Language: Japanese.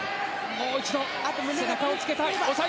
もう一度、背中をつけたい。